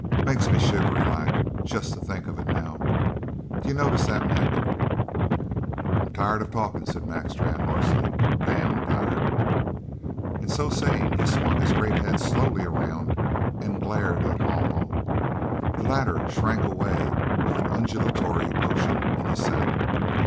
Makes me shivery, like, jest to think of it now. D'you notice that, Mac?" "I'm tired of talkin'," said Mac Strann hoarsely, "damned tired!" And so saying he swung his great head slowly around and glared at Haw Haw. The latter shrank away with an undulatory motion in his saddle.